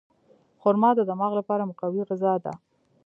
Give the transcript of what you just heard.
خرما د دماغ لپاره مقوي غذا ده.